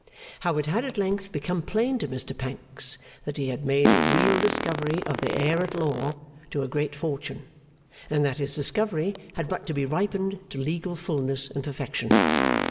How it had at length become plain to Mr Pancks that he had made a real discovery of the heir at law to a great fortune, and that his discovery had but to be ripened to legal fulness and perfection.